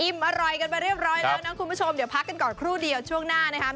อร่อยกันไปเรียบร้อยแล้วนะคุณผู้ชมเดี๋ยวพักกันก่อนครู่เดียวช่วงหน้านะครับ